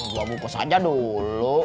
gue bungkus aja dulu